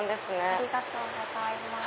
ありがとうございます。